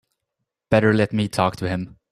Better let me talk to him.